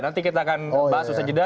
nanti kita akan bahas itu sejeda